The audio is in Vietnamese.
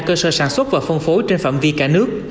cơ sở sản xuất và phân phối trên phạm vi cả nước